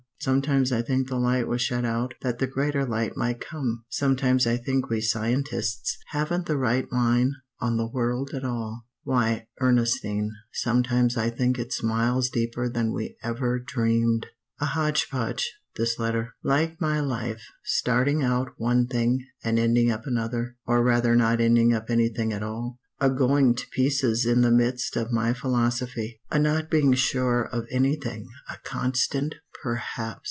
Sometimes I think the light was shut out that the greater light might come. Sometimes I think we scientists haven't the right line on the world at all. Why, Ernestine, sometimes I think it's miles deeper than we ever dreamed! A hodge podge this letter. Like my life, starting out one thing, and ending up another, or rather not ending up anything at all a going to pieces in the midst of my philosophy a not being sure of anything a constant 'perhaps.'"